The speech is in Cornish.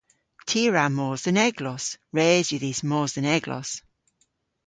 Ty a wra mos dhe'n eglos. Res yw dhis mos dhe'n eglos.